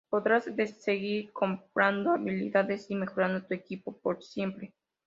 Podrás seguir comprando habilidades y mejorando tu equipo por siempre.